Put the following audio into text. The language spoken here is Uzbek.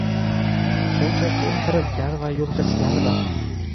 shunchaki firibgar va yulg‘ichlardir.